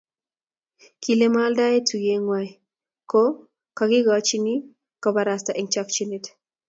kile maaldae tuyet ngwai ko kakichochyi kobarasta eng chakchyinet